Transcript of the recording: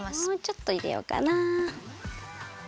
もうちょっといれようかな。